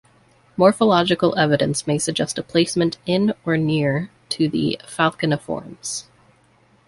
Morphological evidence may suggest a placement in or near to Falconiformes.